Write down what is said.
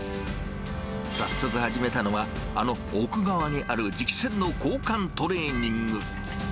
早速始めたのは、あの奥側にある磁気栓の交換トレーニング。